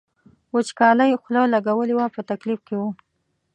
وچکالۍ خوله لګولې وه په تکلیف کې و.